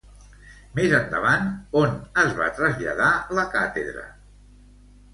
Més endavant, on es va traslladar la càtedra?